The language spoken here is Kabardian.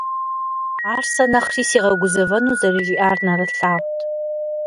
Ар сэ нэхъри сигъэгузэвэну зэрыжиӀар нэрылъагъут.